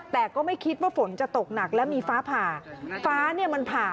แต่ก็ไม่คิดว่าฝนจะตกหนักและมีฟ้าผ่าฟ้าเนี่ยมันผ่า